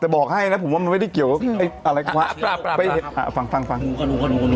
อืมบอกแล้วหมูลูกหมู